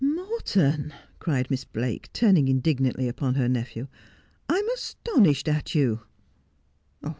' Morton,' cried Miss Blake, turning indignantly upon her nephew, ' I am astonished at you